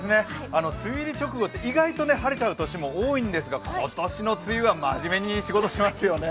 梅雨入り直後って、意外と晴れちゃう年もあるんですが今年の梅雨は真面目に仕事していますよね。